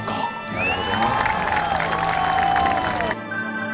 なるほどね。